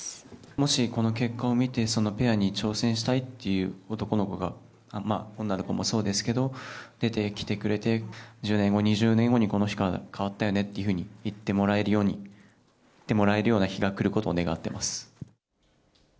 もしこの結果を見て、ペアに挑戦したいっていう男の子が、女の子もそうですけど、出てきてくれて、１０年後、２０年後にこの日から変わったよねっていうふうに言ってもらえるように、言ってもらえるような日が来ることを願っています。